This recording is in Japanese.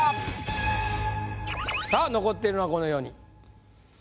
さぁ残っているのはこの４人。